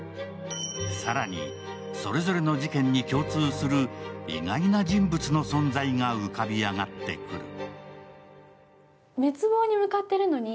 更に、それぞれの事件に共通する意外な人物の存在が浮かび上がってくる。